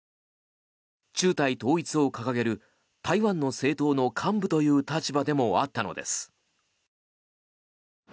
中台統一を掲げる台湾の政党の幹部という立場でもあったのです。